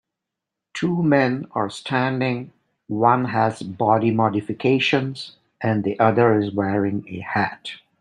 Two men are standing one has body modifications and the other is wearing a hat.